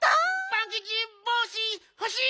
パンキチぼうしほしい！